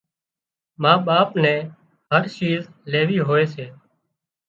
ما ٻاپ نين هر شيز ليوي هوئي سي